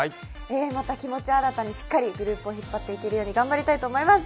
また気持ちを新たにしっかりとグループを引っ張っていけるように頑張っていきたいと思います。